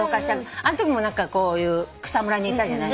あんときもこういう草むらにいたじゃない。